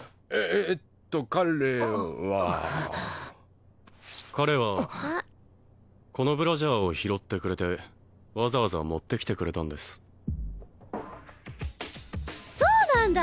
えっと彼は彼はこのブラジャーを拾ってくれてわざわざ持ってきてくれたんですそうなんだ